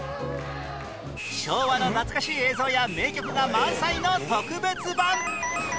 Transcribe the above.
昭和の懐かしい映像や名曲が満載の特別版！